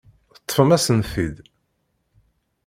Teṭṭfem-asen-t-id.